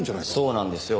そうなんですよ。